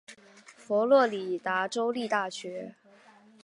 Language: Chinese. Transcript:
佛罗里达州立大学。